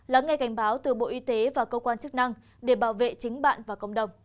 lắng nghe cảnh báo từ bộ y tế và cơ quan chức năng để bảo vệ chính bạn và cộng đồng